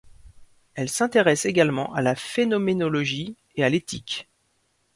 Elle s'intéresse également à la phénoménologie et à l'éthique.